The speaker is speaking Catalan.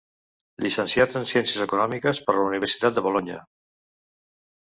Llicenciat en Ciències Econòmiques per la Universitat de Bolonya.